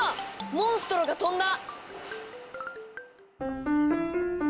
モンストロが飛んだ！